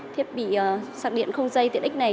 thiết bị sạc điện không dây tiện x này